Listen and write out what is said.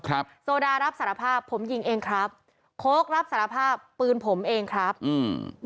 โซดารับสารภาพผมยิงเองครับโค้กรับสารภาพปืนผมเองครับอืม